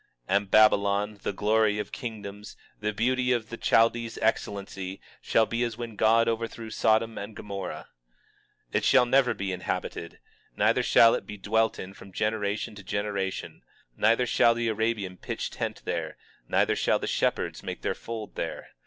23:19 And Babylon, the glory of kingdoms, the beauty of the Chaldees' excellency, shall be as when God overthrew Sodom and Gomorrah. 23:20 It shall never be inhabited, neither shall it be dwelt in from generation to generation: neither shall the Arabian pitch tent there; neither shall the shepherds make their fold there.